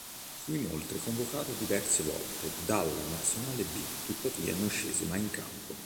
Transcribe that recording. Fu inoltre convocato diverse volte dalla Nazionale B, tuttavia non scese mai in campo.